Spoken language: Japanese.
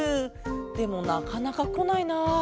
でもなかなかこないな。